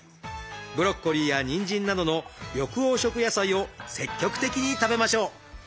ブロッコリーやにんじんなどの緑黄色野菜を積極的に食べましょう！